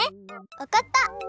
わかった！